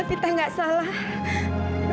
non evita gak pernah salah apa apa